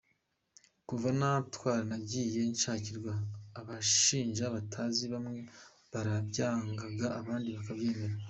Kuva nafatwa, nagiye nshakirwa abanshinja batanzi, bamwe barabyangaga abandi bakabyemera.